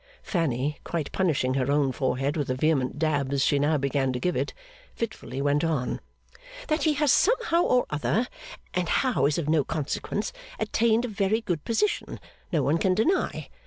Fanny, quite punishing her own forehead with the vehement dabs she now began to give it, fitfully went on. 'That he has somehow or other, and how is of no consequence, attained a very good position, no one can deny.